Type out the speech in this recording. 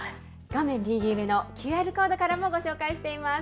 画面右上のＱＲコードからもご紹介しています。